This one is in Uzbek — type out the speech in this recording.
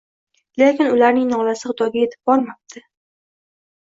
Lekin ularning nolasi Xudoga yetib bormabdi.